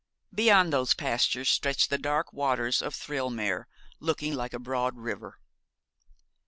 Beyond those pastures stretched the dark waters of Thirlmere, looking like a broad river.